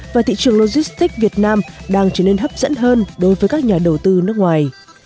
và thị trường logistics việt nam đang trở nên hấp dẫn hơn đối với các nhà đầu tư nước ngoài